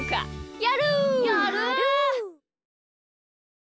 やる！